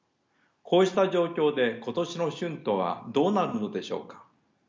こうした状況で今年の春闘はどうなるのでしょうか。